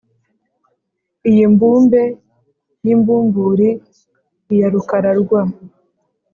iy'i mbumbe iy'imbumburi iya rukara rwa